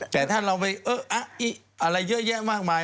แต่ถ้าเราไปเอ๊ะอะอิ๊ะอะไรเยอะแยะมากมาย